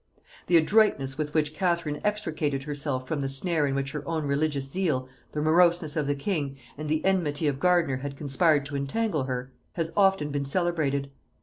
The adroitness with which Catherine extricated herself from the snare in which her own religious zeal, the moroseness of the king, and the enmity of Gardiner had conspired to entangle her, has often been celebrated.